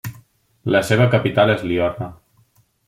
La seva capital és Liorna.